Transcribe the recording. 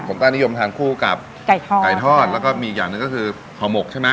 สนตรายนิยมทานคู่กับไก่ทอดแล้วก็มีอีกนึงก็คือข่าวหมกใช่มั้ย